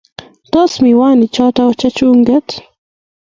Tos, miwanik choto cheichenge?